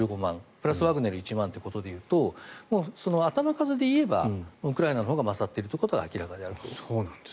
プラスワグネル１万ということで言うと頭数で言えばウクライナのほうが勝っていることは明らかだと。